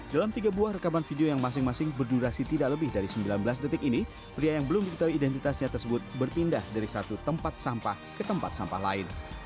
dalam tiga buah rekaman video yang masing masing berdurasi tidak lebih dari sembilan belas detik ini pria yang belum diketahui identitasnya tersebut berpindah dari satu tempat sampah ke tempat sampah lain